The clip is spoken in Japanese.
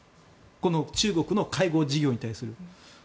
この中国の介護事業に対する。